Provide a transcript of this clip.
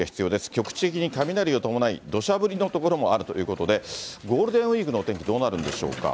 局地的に雷を伴い、どしゃ降りの所もあるということで、ゴールデンウィークのお天気どうなるんでしょうか。